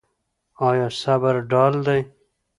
آیا صبر ډال دی؟